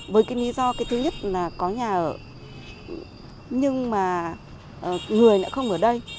với cái lý do cái thứ nhất là có nhà ở nhưng mà người lại không ở đây